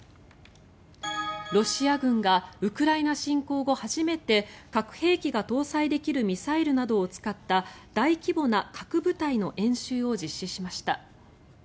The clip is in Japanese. ロシア軍がウクライナ侵攻後初めて核兵器が搭載できるミサイルなどを使った大規模な核部隊の演習を実施しました。